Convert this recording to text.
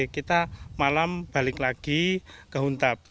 kita malam balik lagi ke huntap